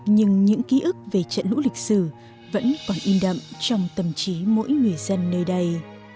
nhưng những ký ức về trận lũ lịch sử vẫn còn in đậm trong tâm trí mỗi người dân nơi đây